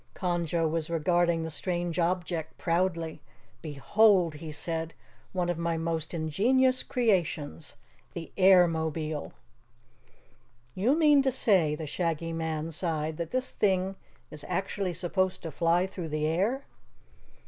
Conjo was regarding the strange object proudly. "Behold!" he said, "one of my most ingenious creations the Airmobile!" "You mean to say," the Shaggy Man sighed, "that this thing is actually supposed to fly through the air?"